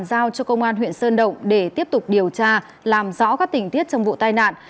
tài xế đã bàn giao cho công an huyện sơn động để tiếp tục điều tra làm rõ các tình tiết trong vụ tai nạn